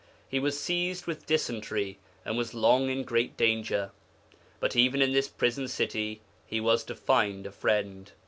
He was seized with dysentery, and was long in great danger. But even in this prison city he was to find a friend.